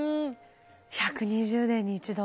１２０年に一度。